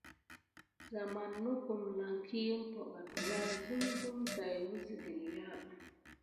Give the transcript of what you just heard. Waman nokum lan ki ump ɗuà sim sime ɗaou wisi gəlya.